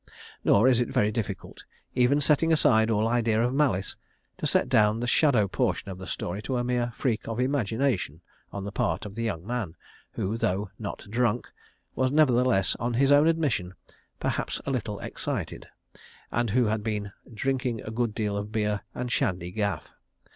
Nor is it very difficult, even setting aside all idea of malice, to set down the shadow portion of the story to a mere freak of imagination on the part of the young man who, though "not drunk," was nevertheless on his own admission, "perhaps a little excited," and who had been "drinking a good deal of beer and shandy gaff."